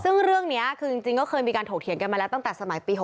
ซึ่งเรื่องนี้คือจริงก็เคยมีการถกเถียงกันมาแล้วตั้งแต่สมัยปี๖๐